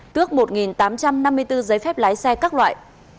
tước một tám trăm năm mươi bốn giấy phép lái xe các loại